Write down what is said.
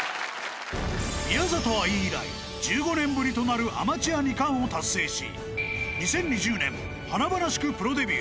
宮里藍以来１５年ぶりとなるアマチュア２冠を達成し、２０２０年、華々しくプロデビュー。